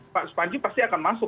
pak supanji pasti akan masuk